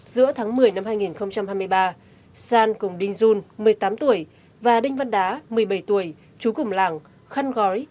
giữa tháng một mươi năm hai nghìn hai mươi ba san cùng đinh jun một mươi tám tuổi và đinh văn đá một mươi bảy tuổi chú cùng làng khăn gói